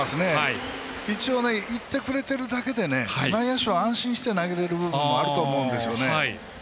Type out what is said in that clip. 一応行ってくれているだけで内野手は安心して投げれる部分もあると思うんです。